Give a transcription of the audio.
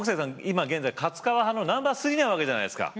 今現在勝川派のナンバー３なわけじゃないですか。